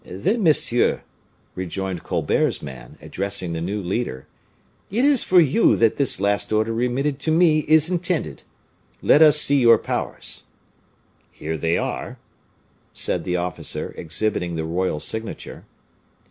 "Then, monsieur," rejoined Colbert's man, addressing the new leader, "it is for you that this last order remitted to me is intended. Let us see your powers." "Here they are," said the officer, exhibiting the royal signature.